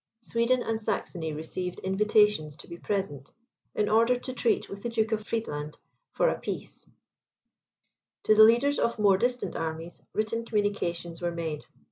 Sweden and Saxony received invitations to be present, in order to treat with the Duke of Friedland for a peace; to the leaders of more distant armies, written communications were made.